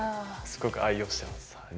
すごく愛用してます。